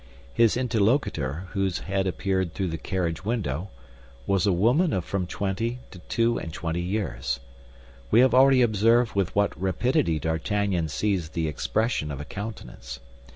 His interlocutor, whose head appeared through the carriage window, was a woman of from twenty to two and twenty years. We have already observed with what rapidity D'Artagnan seized the expression of a countenance.